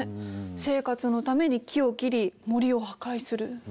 生活のために木を切り森を破壊する。